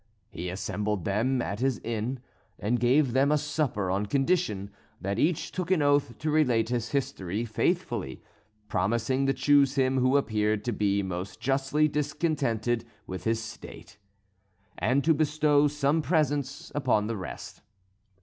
He assembled them at his inn, and gave them a supper on condition that each took an oath to relate his history faithfully, promising to choose him who appeared to be most justly discontented with his state, and to bestow some presents upon the rest.